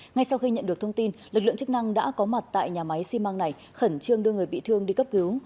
ngay sau khi nhận được thông tin lực lượng chức năng đã có mặt tại nhà máy xi măng này khẩn trương đưa người bị thương đi cấp cứu